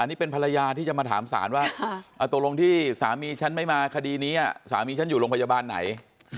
นี่เป็นภรรยาที่จะมาถามศาลว่าตกลงที่สามีฉันไม่มาคดีนี้สามีฉันอยู่โรงพยาบาลไหน